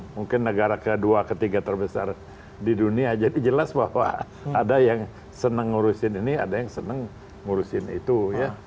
mungkin negara kedua ketiga terbesar di dunia jadi jelas bahwa ada yang senang ngurusin ini ada yang senang ngurusin itu ya